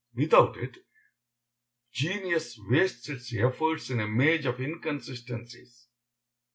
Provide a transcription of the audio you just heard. Without it, genius wastes its efforts in a maze of inconsistencies.